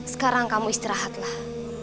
sekarang kamu istirahatlah